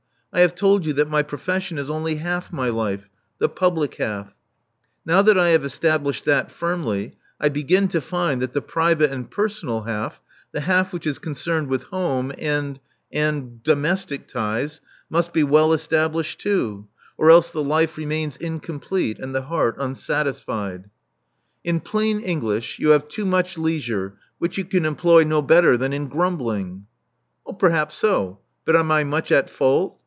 I have told you that my profession is only half my life — the public half. Now that I have established that firmly, I begin to find that the private and personal half, the half which is concerned with home and — and domestic ties, must be well established too, or else the life remains incomplete, and the heart unsatisfied." 426 Love Among the Artists ''In plain English, you have too much leisure, which you can employ no better than in grom bUng/' ' 'Perhaps so; but am I much at fault?